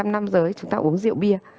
nam giới chúng ta uống rượu bia